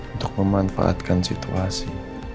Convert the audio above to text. untuk memanfaatkan situasi